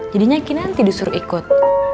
jadinya kini nanti disuruh ikut